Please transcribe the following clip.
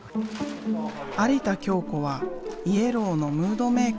有田京子はＹＥＬＬＯＷのムードメーカー。